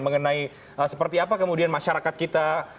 mengenai seperti apa kemudian masyarakat kita